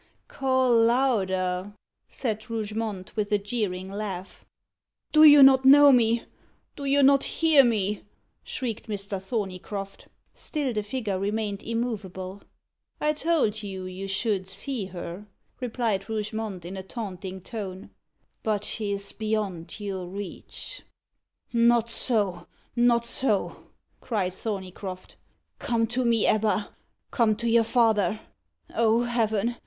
"Call louder," said Rougemont, with a jeering laugh. "Do you not know me? do you not hear me?" shrieked Mr. Thorneycroft. Still the figure remained immovable. "I told you you should see her," replied Rougemont, in a taunting tone; "but she is beyond your reach." "Not so, not so!" cried Thorneycroft. "Come to me, Ebba! come to your father. O Heaven!